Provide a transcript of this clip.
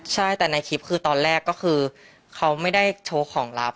ใช่แต่ในคลิปคือตอนแรกก็คือเขาไม่ได้โชว์ของลับ